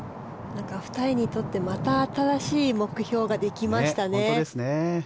２人にとってまた新しい目標ができましたね。